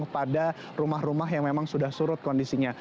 pada rumah rumah yang memang sudah surut kondisinya